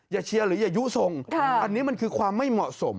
เชียร์หรืออย่ายุทรงอันนี้มันคือความไม่เหมาะสม